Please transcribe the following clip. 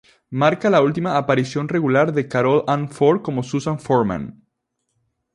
Marca la última aparición regular de Carole Ann Ford como Susan Foreman.